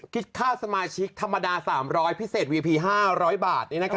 คิดค่าสมาชิกธรรมดาสามร้อยพิเศษวีเอพีห้าร้อยบาทนี่นะคะ